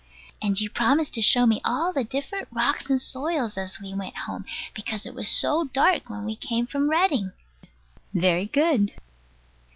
And you promised to show me all the different rocks and soils as we went home, because it was so dark when we came from Reading. Very good.